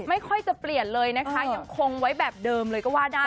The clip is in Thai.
ไม่ค่อยจะเปลี่ยนเลยนะคะยังคงไว้แบบเดิมเลยก็ว่าได้